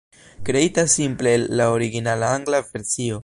Kreita simple el la originala angla versio.